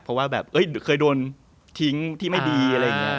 เพราะว่าแบบเคยโดนทิ้งที่ไม่ดีอะไรอย่างนี้